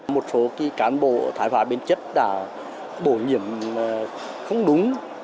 một số cán bộ thái phá biến chất đã bổ nhiệm không đúng